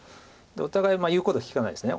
お互い言うこと聞かないです。